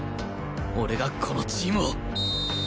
俺がこのチームを